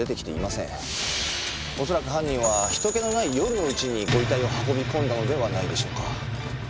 恐らく犯人は人気のない夜のうちにご遺体を運び込んだのではないでしょうか。